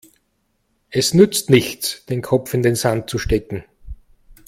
Es nützt nichts, den Kopf in den Sand zu stecken.